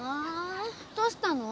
どうしたの？